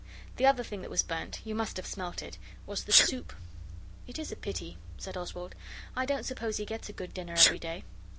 The other thing that was burnt you must have smelt it, was the soup.' 'It is a pity,' said Oswald; 'I don't suppose he gets a good dinner every day.